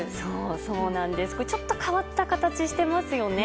そうなんです、ちょっと変わった形をしていますよね。